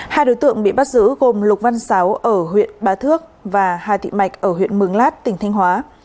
hai đối tượng bị bắt giữ gồm lục văn sáu ở huyện bá thước và hà thị mạch ở huyện mường lát tỉnh thanh hóa